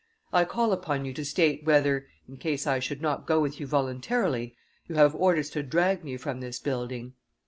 I call upon you to state whether, in case I should not go with you voluntarily, you have orders to drag me from this building."